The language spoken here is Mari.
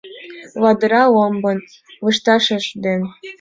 Ладыра ломбын лышташыж ден